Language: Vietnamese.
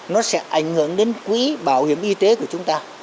nó sẽ ảnh hưởng đến quỹ bảo hiểm y tế của chúng ta